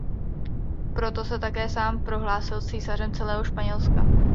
Proto se také sám prohlásil "císařem celého Španělska".